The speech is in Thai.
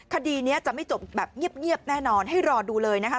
คดีนี้จะไม่จบแบบเงียบแน่นอนให้รอดูเลยนะคะ